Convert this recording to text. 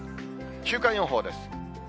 週間予報です。